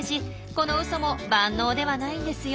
このウソも万能ではないんですよ。